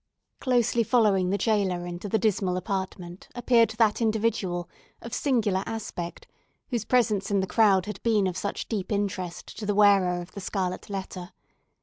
Closely following the jailer into the dismal apartment, appeared that individual, of singular aspect whose presence in the crowd had been of such deep interest to the wearer of the scarlet letter.